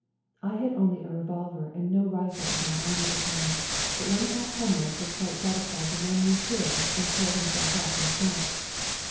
I had only a revolver and no rifle of my own at that time, but one of my comrades was quite satisfied to lend me his and curl himself up and smoke.